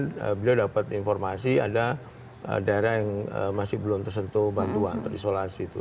karena kemarin beliau dapat informasi ada daerah yang masih belum tersentuh bantuan atau isolasi itu